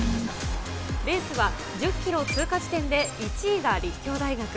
レースは１０キロ通過時点で１位が立教大学。